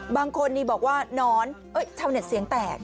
บางคนบอกว่านอนเอ้ยเช่าเน็ตเสียงแตก